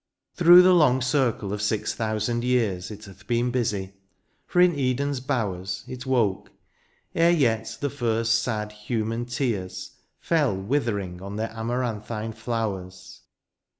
141 Through the long circle of six thousand years It hath been busy, for in Eden's bowers It woke, ere yet the first sad human tears Fell withering on their amaranthine flowiers.